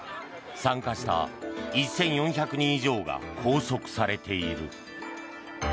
参加した１４００人以上が拘束されている。